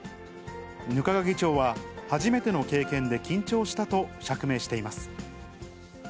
額賀議長は、初めての経験で緊張したと釈明しています。